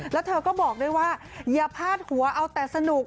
แล้วเธอก็บอกด้วยว่าอย่าพาดหัวเอาแต่สนุก